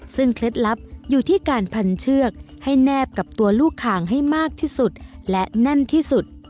ซึ่งเคล็ดลับอยู่ที่การพันเชือกให้แนบกับตัวลูกคางให้มากที่สุดและแน่นที่สุด